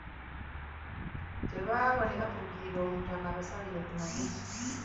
Tebaalwa ne batuukirira omutaka abasalire ku magezi.